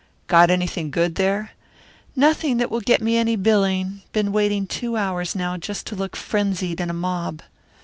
"Got anything good there?" "Nothing that will get me any billing. Been waiting two hours now just to look frenzied in a mob."